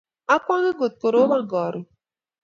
akwonge ngot korobon karon.